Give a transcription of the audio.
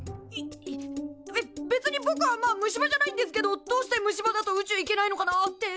べ別にぼくはまあ虫歯じゃないんですけどどうして虫歯だと宇宙行けないのかなって。